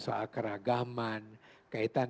soal keragaman kaitan